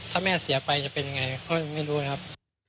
ถ้าแม่เสียไปจะเป็นยังไงพ่อยังไม่รู้นะครับ